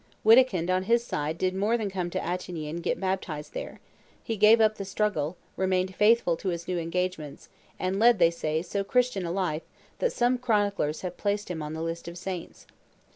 Wittikind, on his side, did more than come to Attigny and get baptized there; he gave up the struggle, remained faithful to his new engagements, and led, they say, so Christian a life, that some chroniclers have placed him on the list of saints.